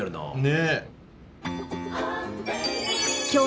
ねえ。